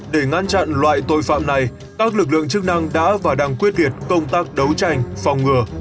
để ngăn chặn loại tội phạm này các lực lượng chức năng đã và đang quyết liệt công tác đấu tranh phòng ngừa